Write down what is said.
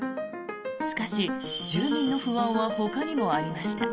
しかし住民の不安はほかにもありました。